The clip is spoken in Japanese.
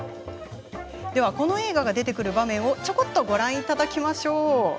この映画が出てくる場面ちょっとご覧いただきましょう。